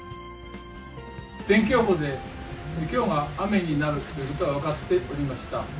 天気予報で、きょうが雨になることは分かっておりました。